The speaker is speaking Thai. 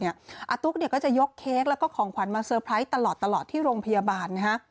อาตุ๊กก็จะยกเค้กแล้วก็ของขวัญมาเตอร์ไพรส์ตลอดที่โรงพยาบาลนะฮะ